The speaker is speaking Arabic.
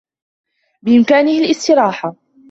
بإمكانه الاستراحة.